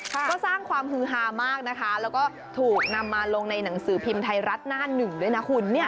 ก็สร้างความฮือฮามากนะคะแล้วก็ถูกนำมาลงในหนังสือพิมพ์ไทยรัฐหน้าหนึ่งด้วยนะคุณ